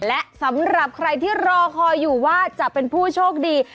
และสำหรับใครที่รอคอยอยู่ว่าจะเป็นผู้โชคดี